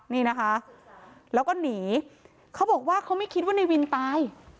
นี่นะคะแล้วก็หนีเขาบอกว่าเขาไม่คิดว่าในวินตาย